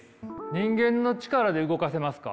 人間の力で動かせますか？